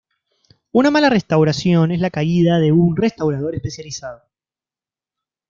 Una mala restauración es la caída de un restaurador especializado.